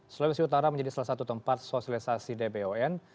sulawesi utara menjadi salah satu tempat sosialisasi dbon